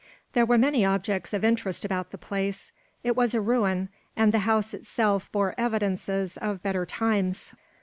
There were many objects of interest about the place. It was a ruin; and the house itself bore evidences of better times.